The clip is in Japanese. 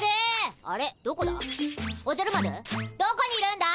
どこにいるんだ？